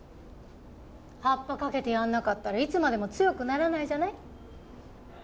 発破かけてやらなかったらいつまでも強くならないじゃない。